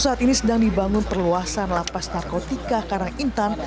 saat ini sedang dibangun perluasan lapas narkotika karangintan